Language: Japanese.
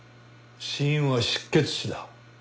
死因は失血死だ。